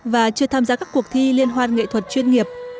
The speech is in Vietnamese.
và chưa tham gia các cuộc thi liên hoan nghệ thuật chuyên nghiệp